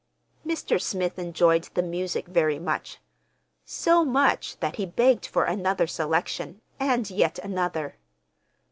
Mr. Smith enjoyed the music very much—so much that he begged for another selection and yet another.